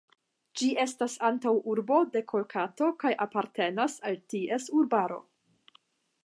Ĝi estas antaŭurbo de Kolkato kaj apartenas al ties urbaro.